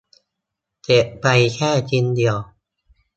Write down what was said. เสร็จไปแค่ชิ้นเดียว